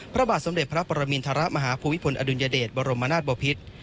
พระบาทสมเด็จพระปรมินทรมาฮภูมิพลอดุลยเดชบรมนาศบพิษ